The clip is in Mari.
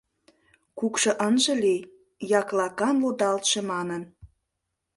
Кукшо ынже лий, яклакан лудалтше манын.